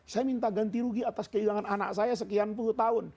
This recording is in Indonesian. saya minta ganti rugi atas kehilangan anak saya sekian puluh tahun